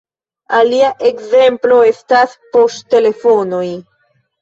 Alia ekzemplo estas poŝtelefonoj.